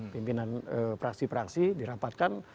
pimpinan praksi praksi dirapatkan